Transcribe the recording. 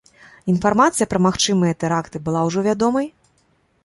Інфармацыя пра магчымыя тэракты была ўжо вядомай?